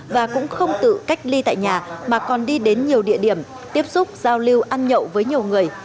và cũng không tự cách ly tại nhà mà còn đi đến nhiều địa điểm tiếp xúc giao lưu ăn nhậu với nhiều người